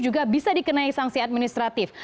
juga bisa dikenai sanksi administratif